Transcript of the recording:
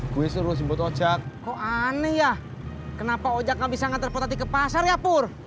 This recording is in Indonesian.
gue suruh simpot ojak kok aneh ya kenapa ojak nggak bisa nganter potati ke pasar ya pur